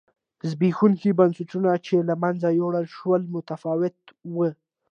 زبېښونکي بنسټونه چې له منځه یووړل شول متفاوت و.